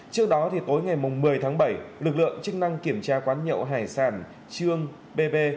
trước đó tối ngày một mươi tháng bảy lực lượng chức năng kiểm tra quán nhậu hải sản trương bv